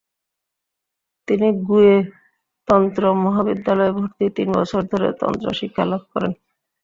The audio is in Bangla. তিনি গ্যুমে তন্ত্র মহাবিদ্যালয়ে ভর্তি তিন বছর ধরে তন্ত্র শিক্ষালাভ করেন।